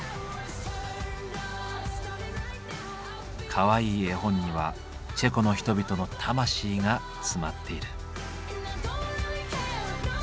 かわいい絵本にはチェコの人々の魂が詰まっている。